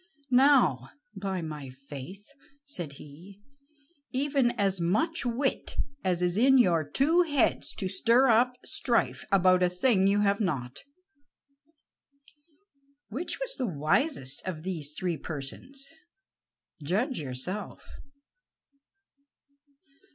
"Now, by my faith," said he, "even as much wit as is in your two heads to stir up strife about a thing you have not." Which was the wisest of these three persons, judge yourself.